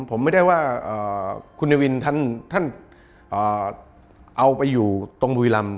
ผมไม่ได้ว่าเอ่อคุณนายวินท่านท่านเอ่อเอาไปอยู่ตรงบุรีรัมย์